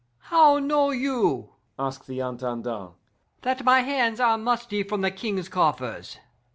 'How know you,' ask the Intendant, 'that my hands are musty from the King's coffers?